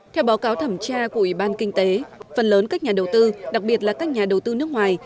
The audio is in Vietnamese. theo báo cáo thẩm tra của ủy ban kinh tế phần lớn các nhà đầu tư đặc biệt là các nhà đầu tư nước ngoài